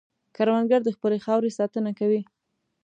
کروندګر د خپلې خاورې ساتنه کوي